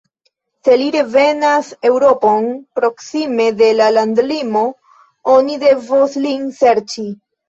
Se li revenas Eŭropon, proksime de la landlimo oni devos lin serĉi.